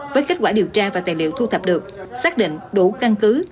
với kết quả điều tra và tài liệu thu thập được xác định đủ căn cứ